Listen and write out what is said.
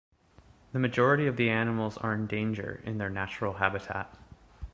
The majority of the animals are in danger in their natural habitat.